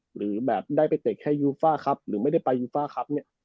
หรือแบบได้ไปเตะแค่ยูฟ่าครับหรือไม่ได้ไปยูฟ่าครับเนี่ย